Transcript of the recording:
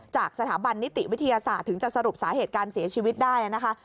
จากสถาบันนิติวิทยาศาสตร์ถึงจะสรุปสาเหตุการเสียชีวิตได้นะคะ